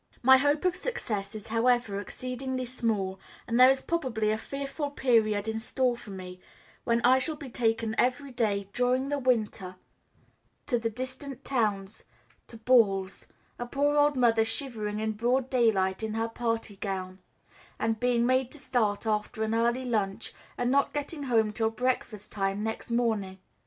My hope of success is however exceedingly small, and there is probably a fearful period in store for me when I shall be taken every day during the winter to the distant towns to balls a poor old mother shivering in broad daylight in her party gown, and being made to start after an early lunch and not getting home till breakfast time next morning.